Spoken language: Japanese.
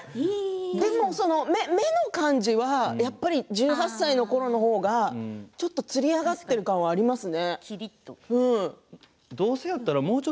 目の感じは１８歳のころの方がちょっとつり上がっている感はありますね。